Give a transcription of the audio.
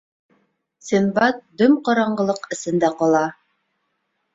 Синдбад дөм ҡараңғылыҡ эсендә ҡала.